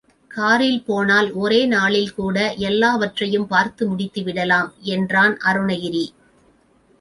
காரில் போனால் ஒரே நாளில் கூட எல்லாவற்றையும் பார்த்து முடித்து விடலாம், என்றான் அருணகிரி.